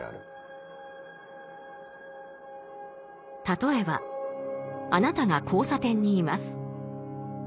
例えばあなたが交差点にいます。